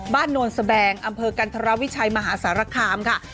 บ้านนวลสแบงอำเภอกันทรวจวิชัยมหาศาลคามค่ะ